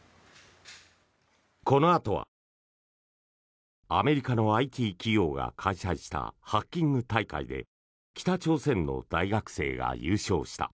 このあとはアメリカのＩＴ企業が開催したハッキング大会で北朝鮮の大学生が優勝した。